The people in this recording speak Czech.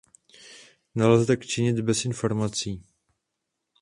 Nelze tak činit bez informací!